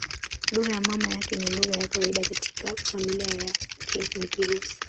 Lugha ya mama yake na lugha ya kawaida katika familia yake ni Kirusi.